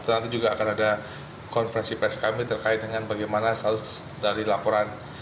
nanti juga akan ada konferensi pers kami terkait dengan bagaimana status dari laporan